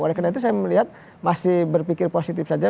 oleh karena itu saya melihat masih berpikir positif saja